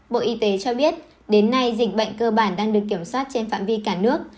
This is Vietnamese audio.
bộ y tế cho biết đến nay dịch bệnh cơ bản đang được kiểm soát trên phạm vi cả nước